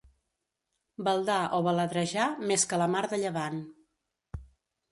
Baldar o baladrejar més que la mar de llevant.